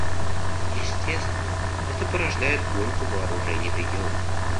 Естественно, это порождает гонку вооружений в регионе.